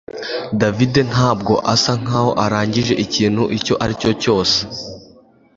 David ntabwo asa nkaho arangije ikintu icyo aricyo cyose